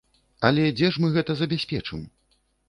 Але дзе ж мы гэта забяспечым?